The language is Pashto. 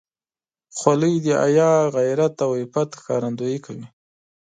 خولۍ د حیا، غیرت او عفت ښکارندویي کوي.